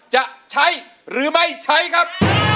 จะใช้หรือไม่ใช้ครับ